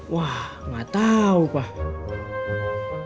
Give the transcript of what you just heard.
wah gak tau pak